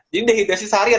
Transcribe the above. jadi dehidrasi seharian